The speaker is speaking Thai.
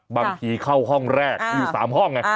บางทีเข้าห้องแรกอยู่๓ห้องไง